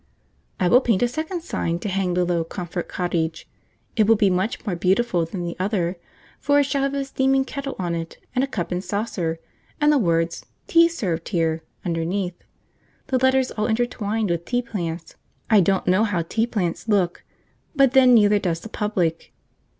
I will paint a second signboard to hang below 'Comfort Cottage.' It will be much more beautiful than the other, for it shall have a steaming kettle on it, and a cup and saucer, and the words 'Tea Served Here' underneath, the letters all intertwined with tea plants. I don't know how tea plants look, but then neither does the public.